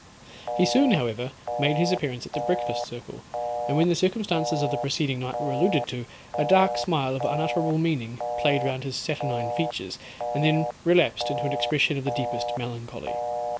He soon, however, made his appearance at the breakfast circle, and when the circumstances of the preceding night were alluded to, a dark smile of unutterable meaning played round his saturnine features, and then relapsed into an expression of the deepest melancholy.